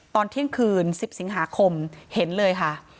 ตอนเที่ยงคืน๑๐สิงหาคมเห็นเลยค่ะ